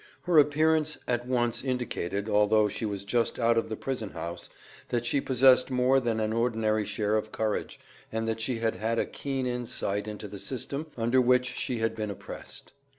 Her appearance at once indicated, although she was just out of the prison house, that she possessed more than an ordinary share of courage, and that she had had a keen insight into the system under which she had been oppressed.